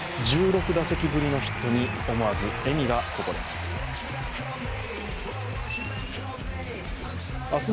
１６打席ぶりのヒットに思わず笑みがこぼれます。